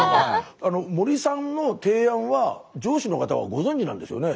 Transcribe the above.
森さんの提案は上司の方はご存じなんですよね？